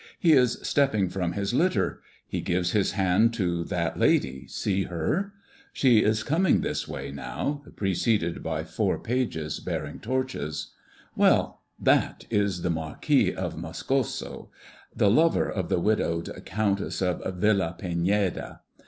He is stepping from his litter; he gives his hand to that lady, see her! She is coming this way now, preceded by four pages bearing torches. Well, that is the Marquis of Moscoso, the lover of the widowed Countess of Villapiñeda.